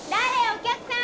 お客さん？